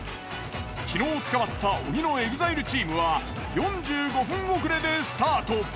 昨日捕まった鬼のＥＸＩＬＥチームは４５分遅れでスタート。